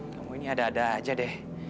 kamu ini ada ada aja deh